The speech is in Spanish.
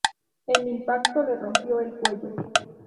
El impacto le rompió el cuello.